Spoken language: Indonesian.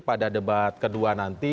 pada debat kedua nanti